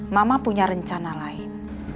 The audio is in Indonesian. mama punya rencana lain